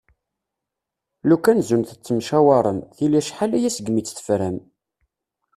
Lukan zun tettemcawarem, dili acḥal-aya segmi tt-tefram.